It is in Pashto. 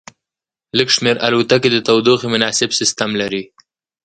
لږ شمیر الوتکې د تودوخې مناسب سیستم لري